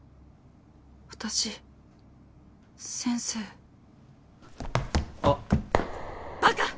私先生あっバカ！